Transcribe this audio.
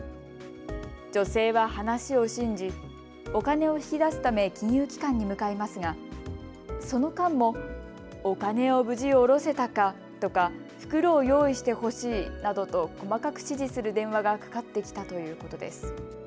女性は話を信じ、お金を引き出すため金融機関に向かいますがその間もお金を無事下ろせたかとか袋を用意してほしいなどと細かく指示する電話がかかってきたということです。